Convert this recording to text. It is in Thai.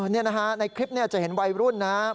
นี่นะครับในคลิปนี้จะเห็นวัยรุ่นนะครับ